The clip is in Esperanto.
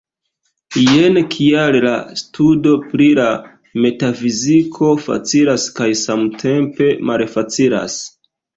Jen kial la studo pri la metafiziko facilas kaj samtempe malfacilas.